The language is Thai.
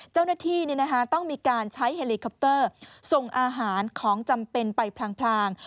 เจ้าหน้าที่ต้องมีการใช้เฮลิคอปเตอร์ส่งอาหารของจำเป็นไปพลาง